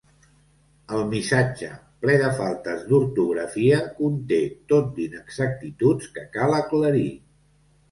El missatge, ple de faltes d’ortografia, conté tot d’inexactituds que cal aclarir.